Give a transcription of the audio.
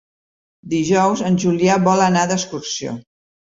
Dijous en Julià vol anar d'excursió.